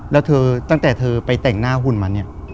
แล้วเธอตั้งแต่เธอไปแต่งหน้าหุ่นมาเนี่ย